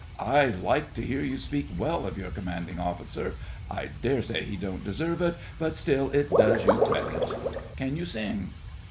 I like to hear you speak well of your commanding officer; I daresay he don't deserve it, but still it does you credit. Can you sing?